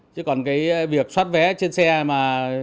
chứ còn cái việc thoát vé trên xe mà